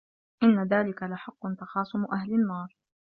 إِنَّ ذلِكَ لَحَقٌّ تَخاصُمُ أَهلِ النّارِ